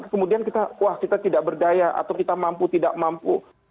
kemudian kita tidak berdaya atau kita mampu tidak mampu